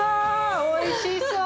おいしそう。